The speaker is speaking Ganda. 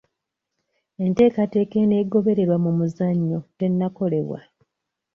Enteekateeka enaagobererwa mu muzannyo tennakolebwa.